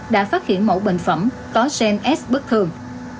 đã phát hiện mẫu bệnh phẩm có gen s bất thường